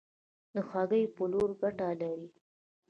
د هګیو پلورل ګټه لري؟